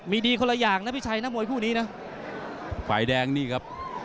มีดีคนละอย่างนะพี่ชัยนะมวยคู่นี้นะฝ่ายแดงนี่ครับ